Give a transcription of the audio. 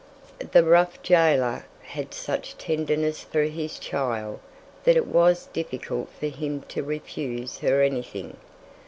The rough jailer had such tenderness for his child that it was difficult for him to refuse her anything.